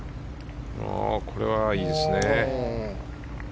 これはいいですね。